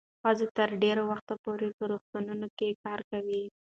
ښځو تر ډېره وخته په روغتونونو کې کار کاوه.